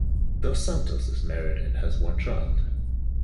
Dos Santos is married and has one child.